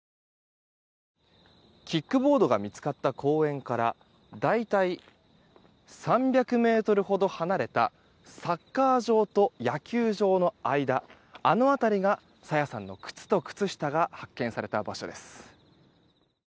キックボードが見つかった公園から大体３００ｍほど離れたサッカー場と野球場の間あの辺りが朝芽さんの靴と靴下が発見された場所です。